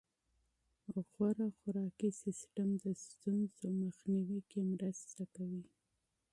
غوره خوراکي سیستم د ستونزو مخنیوي کې مرسته کوي.